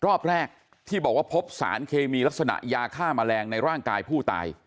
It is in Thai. รอบแรกที่บอกว่าพบสารเคมีลักษณะยาฆ่าแมลงในร่างกายผู้ตาย